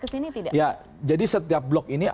kesini tidak ya jadi setiap blok ini